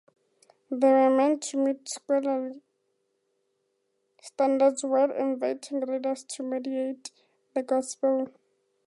They were meant to meet scholarly standards while inviting readers to meditate the gospels.